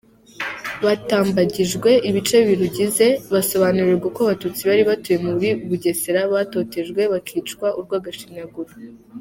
Batambagijwe ibice birugize, basobanurirwa uko Abatutsi bari batuye muri Bugesera batotejwe bakicwa urw’agashinyaguro.